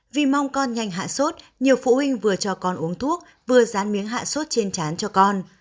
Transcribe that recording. vì mong con nhanh hạ sốt nhiều phụ huynh vừa cho con uống thuốc vừa dán miếng hạ sốt trên chán cho con